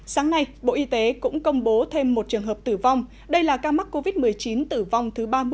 sáng nay bộ y tế cũng công bố thêm một trường hợp tử vong đây là ca mắc covid một mươi chín tử vong thứ ba mươi